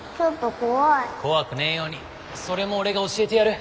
怖くねえようにそれも俺が教えてやる。